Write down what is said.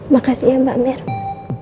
makasih ya mbak mirna